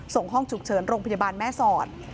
ส่งห้องฉุกเฉินโรงพยาบาลแม่สอด